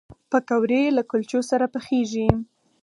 پکورې له کلچو سره پخېږي